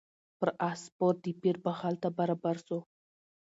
پر آس سپور د پیر بغل ته برابر سو